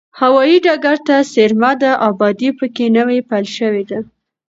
هوایي ډګر ته څېرمه ده، ابادي په کې نوې پیل شوې ده.